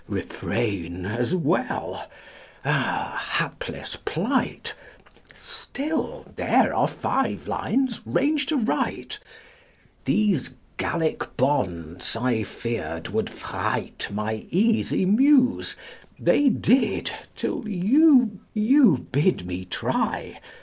"Refrain" as well. Ah, Hapless plight! Still, there are five lines ranged aright. These Gallic bonds, I feared, would fright My easy Muse. They did, till you You bid me try!